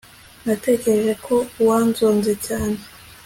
natekereje ko wanzonze cyane